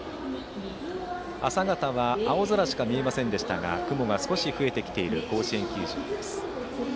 朝方は青空しか見えませんでしたが雲が少し増えてきている甲子園球場です。